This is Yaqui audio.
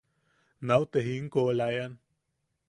–Nau te jinkoʼolaʼean.